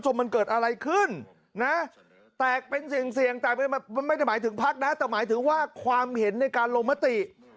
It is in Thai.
ไม่ได้หมายถึงภักดิ์นะแต่หมายถึงว่าความเห็นในการลงมติ